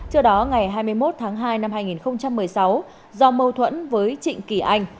trước đó ngày hai mươi một tháng hai năm hai nghìn một mươi sáu do mâu thuẫn với trịnh kỳ anh